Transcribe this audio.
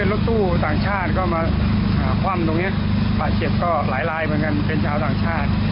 รถตู้ต่างชาติก็มาคว่ำตรงนี้บาดเจ็บก็หลายลายเหมือนกันเป็นชาวต่างชาติ